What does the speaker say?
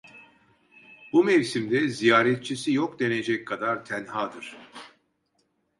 Bu mevsimde, ziyaretçisi yok denecek kadar tenhadır…